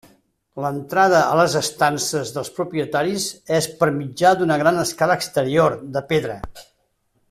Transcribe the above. L'entrada a les estances dels propietaris és per mitjà d'una gran escala exterior, de pedra.